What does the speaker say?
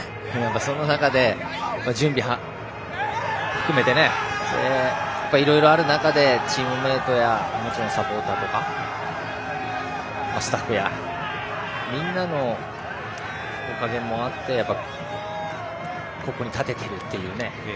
その中で、準備を含めていろいろある中でチームメートやもちろんサポーターとかスタッフやみんなのおかげもあってここに立てているというね。